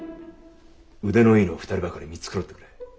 腕のいいのを２人ばかり見繕ってくれ。